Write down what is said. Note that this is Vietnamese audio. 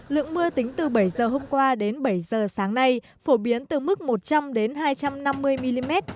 lượng mưa tính từ bảy giờ hôm qua đến bảy giờ sáng nay phổ biến từ mức một trăm linh hai trăm năm mươi mm